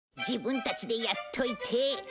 自分たちでやっておいて。